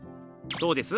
どうです？